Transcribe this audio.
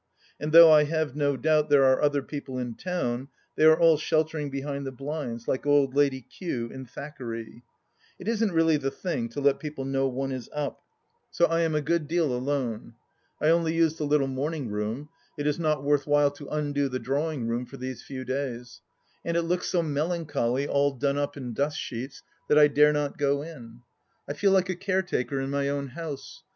And though I have no doubt there are other people in town, they are all shelter ing behind the blinds, like old Lady Kew in Thackeray. It isn't really the thing to let people loiow one is up, so I am a HI 142 THE LAST DITCH good deal alone. I only use the little moming room ; it is not worth while to undo the drawing room for these few days, and it looks so melancholy all done up in dust sheets that I dare not go in. I feel like a caretaker in my own house.